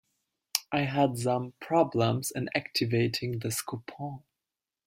I had some problems in activating this coupon.